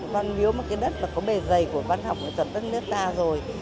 văn miếu một cái đất mà có bề dày của văn học nghệ thuật tất cả nước ta rồi